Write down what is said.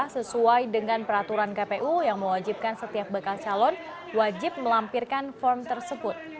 sesuai dengan peraturan kpu yang mewajibkan setiap bakal calon wajib melampirkan form tersebut